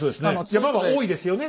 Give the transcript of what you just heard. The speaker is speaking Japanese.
山が多いですよね